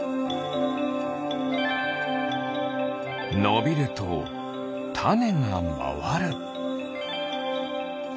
のびるとタネがまわる。